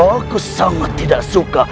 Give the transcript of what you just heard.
aku sangat tidak suka